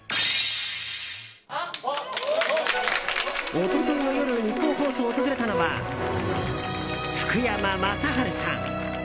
一昨日の夜ニッポン放送を訪れたのは福山雅治さん。